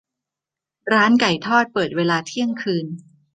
ร้านไก่ทอดเปิดเวลาเที่ยงคืน